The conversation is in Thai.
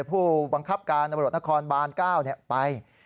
ผู้บังคับการบริโรธนครบาน๙ไป